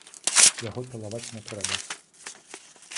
Яго пілаваць не трэба.